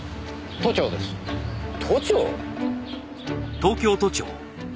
都庁！？